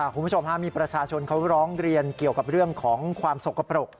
คุณผู้ชมมีประชาชนเขาร้องเรียนเกี่ยวกับเรื่องของความสกปรก